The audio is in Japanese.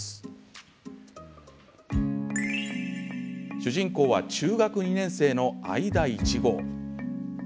主人公は中学２年生の藍田苺。